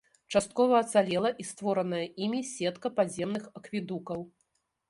Часткова ацалела і створаная імі сетка падземных акведукаў.